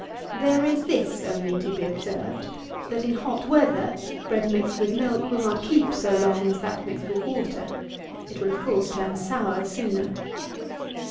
There is this only to be observed, that in hot weather, bread mixed with milk will not keep so long as that mixed with water. It will of course turn sour sooner.